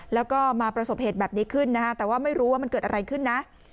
แล้วก็มาประสบเหตุแบบนี้ขึ้นนะฮะแต่ว่าไม่รู้ว่ามันเกิดอะไรขึ้นนะ